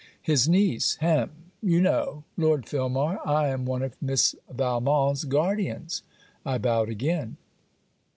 His niece Hem! You know, Lord Filmar, I am one of Miss Valmont's guardians.' I bowed again.